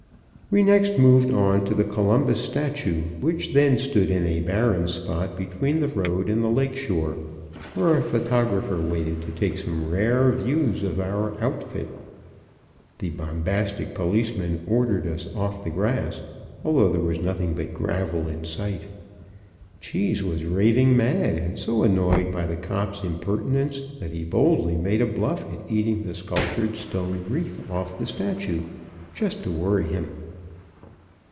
We next moved on to the Columbus Statue, which then stood in a barren spot between the road and the lake shore, where a photographer waited to take some rare views of our outfit. The bombastic policeman ordered us off the grass, although there was nothing but gravel in sight. Cheese was raving mad and so annoyed by the cop's impertinence that he boldly made a bluff at eating the sculptured stone wreath off the statue, just to worry him.